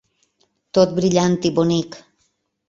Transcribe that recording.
Tot brillant i bonic.